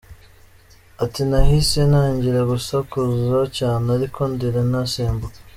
Ati “Nahise ntangira gusakuza cyane ari ko ndira nasimbuka.